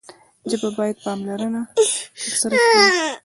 ژبه باید پاملرنه ترلاسه کړي.